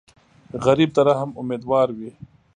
غریب د رحم امیدوار وي